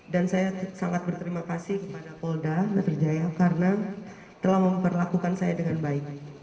dan saya sangat berterima kasih kepada polda menteri jaya karena telah memperlakukan saya dengan baik